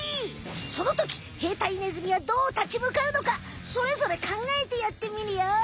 そのとき兵隊ネズミはどうたちむかうのかそれぞれかんがえてやってみるよ！